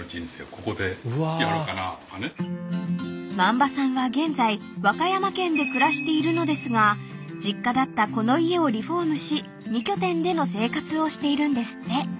［萬羽さんは現在和歌山県で暮らしているのですが実家だったこの家をリフォームし２拠点での生活をしているんですって］